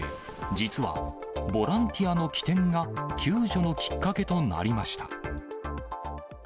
実は、ボランティアの機転が、救助のきっかけとなりました。